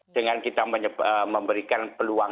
dengan kita memberikan peluang